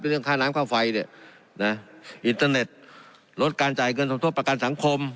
เป็นเรื่องข้าน้ำข้ามไฟอินเทอร์เน็ตรวดการจ่ายเงินทรงสมโทษประการสังคม